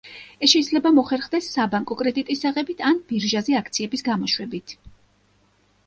ეს შეიძლება მოხერხდეს საბანკო კრედიტის აღებით, ან ბირჟაზე აქციების გამოშვებით.